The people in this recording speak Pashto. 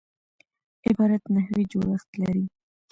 عبارت نحوي جوړښت لري.